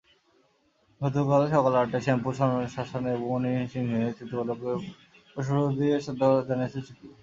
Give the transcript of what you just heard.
গতকাল সকাল সাতটায় শ্যামপুর শ্মশানে মণি সিংহের স্মৃতিফলকে পুষ্পস্তবক দিয়ে শ্রদ্ধা জানিয়েছে সিপিবি।